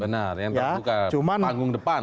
benar yang terbuka panggung depan